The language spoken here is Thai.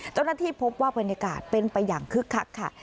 เจ้าหน้าที่พบว่าบรรยากาศเป็นไปอย่างคึกคักค่ะ